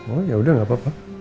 oh yaudah gak apa apa